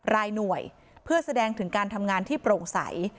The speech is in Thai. รายหน่วยเพื่อแสดงถึงการทำงานที่โปร่งใส